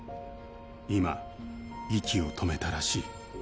今、息を止めたらしい。